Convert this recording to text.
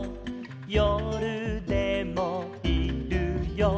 「よるでもいるよ」